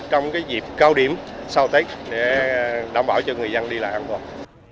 trong dịp cao điểm sau tết để đảm bảo cho người dân đi lại an toàn